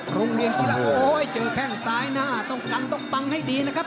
โหยเจอแข่งซ้ายหน้าต้องกันต้องปังให้ดีนะครับ